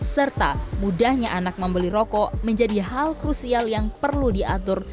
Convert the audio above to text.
serta mudahnya anak membeli rokok menjadi hal krusial yang perlu diatur